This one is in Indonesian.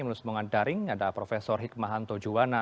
melalui semuanya daring ada prof hikmahanto juwana